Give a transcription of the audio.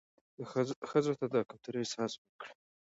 ښځو ته د کمترۍ احساس ورکړى